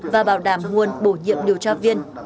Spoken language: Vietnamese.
và bảo đảm nguồn bổ nhiệm điều tra viên